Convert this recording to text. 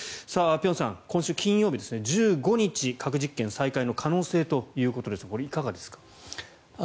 辺さん、今週金曜日の１５日に核実験再開の可能性ということですがこれはいかがですか？